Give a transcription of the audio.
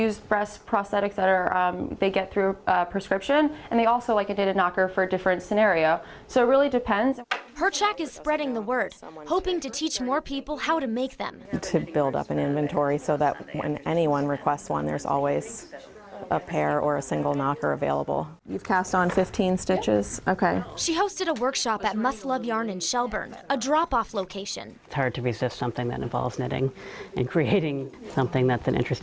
sebenarnya dari sosialisasi apa yang paling membuat masyarakat indonesia itu rentan